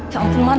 ya ampun man